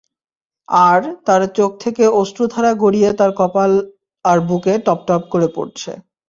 আর তার চোখ থেকে অশ্রুরধারা গড়িয়ে তার কপোল আর বুকে টপটপ করে পড়ছে।